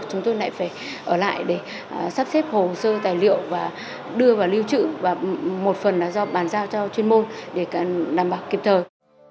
chúng tôi lại phải ở lại để sắp xếp hồ sơ tài liệu và đưa vào lưu trữ và một phần là do bàn giao cho chuyên môn để đảm bảo kịp thời